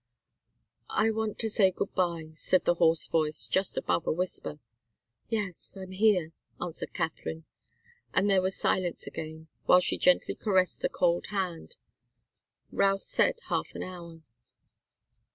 "I want to say good bye," said the hoarse voice, just above a whisper. "Yes I'm here," answered Katharine, and there was silence again, while she gently caressed the cold hand. "Routh said half an hour."